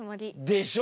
でしょ？